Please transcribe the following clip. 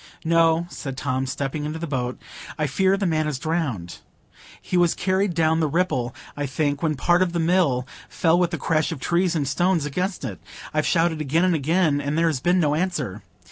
"No," said Tom, stepping into the boat; "I fear the man is drowned; he was carried down the Ripple, I think, when part of the Mill fell with the crash of trees and stones against it; I've shouted again and again, and there has been no answer.